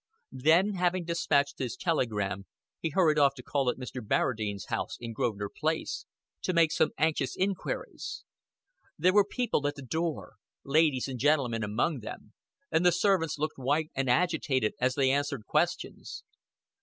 Then, having despatched his telegram, he hurried off to call at Mr. Barradine's house in Grosvenor Place to make some anxious inquiries. There were people at the door, ladies and gentlemen among them, and the servants looked white and agitated as they answered questions.